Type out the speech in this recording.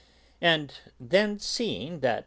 And then, seeing that M.